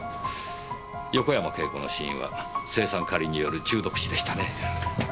横山慶子の死因は青酸カリによる中毒死でしたね。